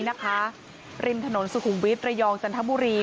ริมถนนสุขุมวิทระยองจันทบุรี